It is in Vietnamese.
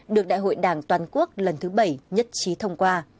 được đại hội đảng toàn quốc lần thứ bảy nhất trí thông qua